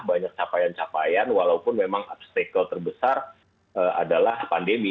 banyak capaian capaian walaupun memang substacle terbesar adalah pandemi